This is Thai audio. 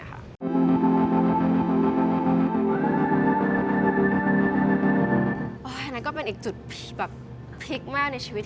อันนั้นก็เป็นอีกจุดที่แบบพลิกมากในชีวิต